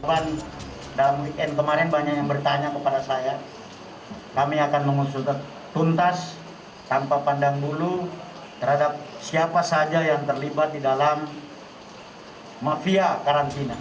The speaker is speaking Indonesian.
korban dalam weekend kemarin banyak yang bertanya kepada saya kami akan mengusulkan tuntas tanpa pandang bulu terhadap siapa saja yang terlibat di dalam mafia karantina